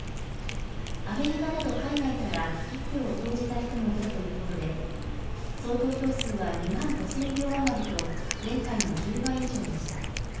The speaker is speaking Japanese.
アメリカなど海外から一票を投じた人もいたということで、総投票数は２万５０００票余りと、前回の１０倍以上でした。